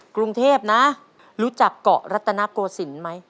กรุงเทพนะรู้จักเกาะรัตนโกศิลป์ไหม